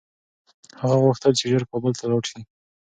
هغه غوښتل چي ژر کابل ته لاړ شي.